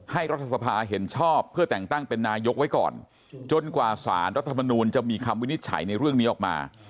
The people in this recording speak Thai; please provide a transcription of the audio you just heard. รัฐสภาเห็นชอบเพื่อแต่งตั้งเป็นนายกไว้ก่อนจนกว่าสารรัฐมนูลจะมีคำวินิจฉัยในเรื่องนี้ออกมา